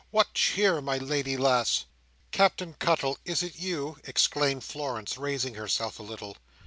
What cheer, my lady lass!" "Captain Cuttle! Is it you?" exclaimed Florence, raising herself a little.